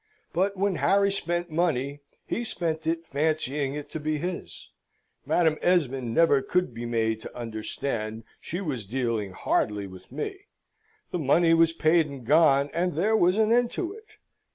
But when Harry spent money, he spent it fancying it to be his; Madam Esmond never could be made to understand she was dealing hardly with me the money was paid and gone, and there was an end of it.